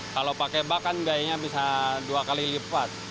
kalau pakai bakan biayanya bisa dua kali lipat